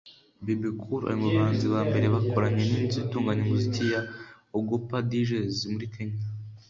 Bebe Cool ari mu bahanzi ba mbere bakoranye n’inzu itunganyamuzika ya Ogopa Djs yo muri Kenya